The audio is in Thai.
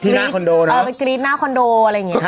ที่หน้าคอนโดเออไปกรี๊ดหน้าคอนโดอะไรอย่างเงี้ยใช่